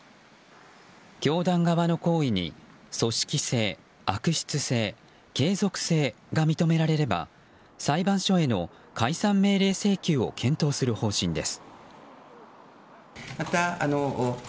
教団側の行為に組織性、悪質性、継続性が認められれば裁判所への解散命令請求を検討する方針です。